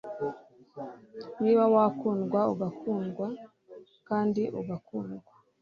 niba wakundwa, ugakundwa, kandi ugakundwa